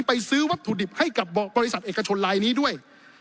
ซื้อวัตถุดิบให้กับบริษัทเอกชนลายนี้ด้วย